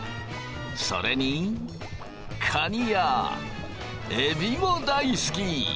それにカニやエビも大好き。